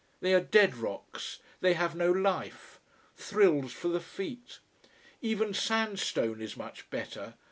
They are dead rocks, they have no life thrills for the feet. Even sandstone is much better.